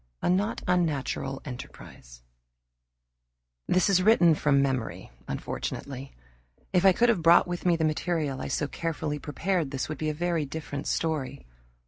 A Not Unnatural Enterprise This is written from memory, unfortunately. If I could have brought with me the material I so carefully prepared, this would be a very different story.